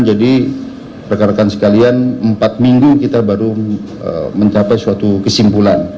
jadi rekan rekan sekalian empat minggu kita baru mencapai suatu kesimpulan